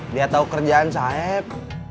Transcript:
dia tau kerjaan saeb